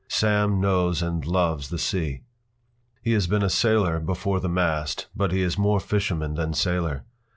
Sam knows and loves the sea. He has been a sailor before the mast, but he is more fisherman than sailor.